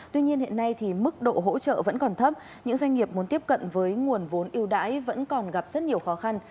tuy nhiên hiện nay mức độ hỗ trợ vẫn còn thấp những doanh nghiệp muốn tiếp cận với nguồn vốn yêu đãi vẫn còn gặp rất nhiều khó khăn